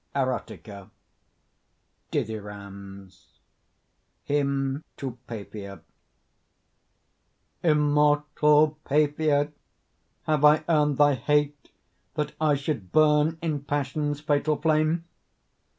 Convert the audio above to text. EROTIKA DITHYRAMBS HYMN TO PAPHIA Immortal Paphia! have I earned thy hate, That I should burn in passion's fatal flame?